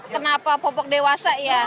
kenapa popok dewasa ya